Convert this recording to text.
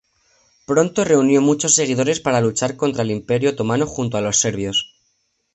Pronto reunió muchos seguidores para luchar contra el Imperio Otomano junto a los serbios.